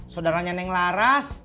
saudaranya neng laras